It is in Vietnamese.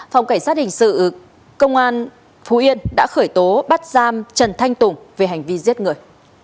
phòng cảnh sát hình sự công an phú yên đã khởi tố bắt giam trần thanh tùng về hành vi giết người